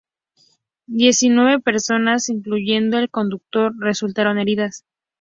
Diecinueve personas, incluyendo el conductor, resultaron heridas.